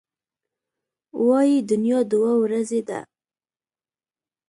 وايي دنیا دوه ورځې ده.